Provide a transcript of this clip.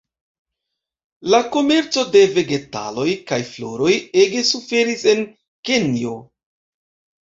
La komerco de Vegetaloj kaj floroj ege suferis en Kenjo.